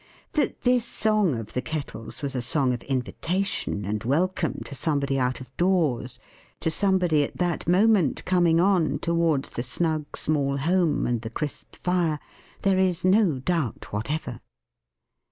That this song of the Kettle's, was a song of invitation and welcome to somebody out of doors; to somebody at that moment coming on, towards the snug small home and the crisp fire; there is no doubt whatever.